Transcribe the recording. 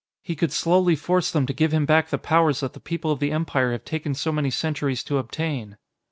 He could slowly force them to give him back the powers that the people of the Empire have taken so many centuries to obtain."